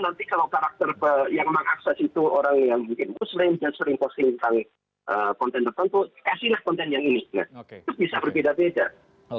jadi saya kira lebih sagis lagi ini